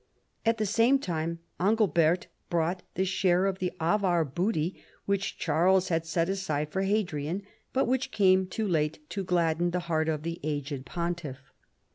At the same time Angilbert brought the share of the Avar booty which Charles had set aside for Hadrian, bnt which came too late to gladden the heart of the aged pontiff.